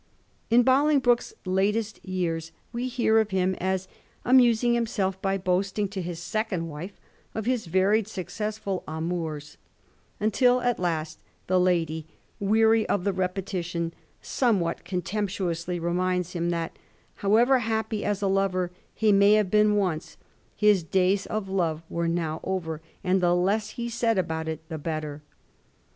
In Bolingbroke's latest years we hear of him as amusing himself by boasting to his second wife of his various successful amours, until at last the lady, weary of the repetition, somewhat con temptuously reminds him that, however happy as a lover he may have been once, his days of love were now over, and the less he said about it the better.